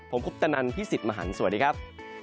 ผมคุปตนันพี่สิทธิ์มหันฯสวัสดีครับ